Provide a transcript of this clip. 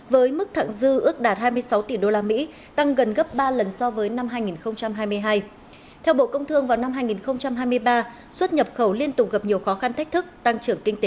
với mức thẳng dư ước đạt hai mươi sáu